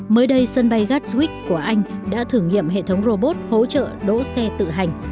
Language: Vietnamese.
mới đây sân bay gatwick của anh đã thử nghiệm hệ thống robot hỗ trợ đỗ xe tự hành